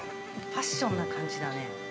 ◆パッションな感じだね。